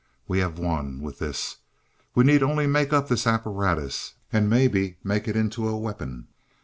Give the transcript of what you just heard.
"We have won, with this. We need only make up this apparatus and maybe make it into a weapon.